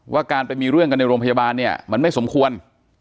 ว่าการไปมีเรื่องกันในโรงพยาบาลเนี่ยมันไม่สมควร